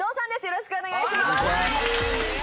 よろしくお願いします。